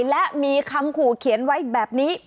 และมีคำขู่เขียนไว้แบบนี้